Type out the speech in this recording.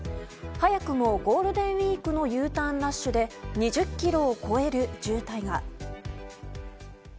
早くもゴールデンウィークのＵターンラッシュで２０ｋｍを超える渋滞が。